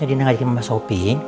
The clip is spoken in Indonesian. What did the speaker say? dia tuh gila ngajakin mas sopi